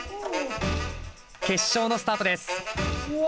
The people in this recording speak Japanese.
決勝のスタートです。